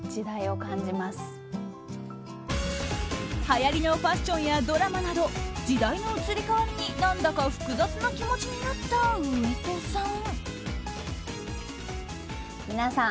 はやりのファッションやドラマなど時代の移り変わりに何だか複雑な気持ちになった上戸さん。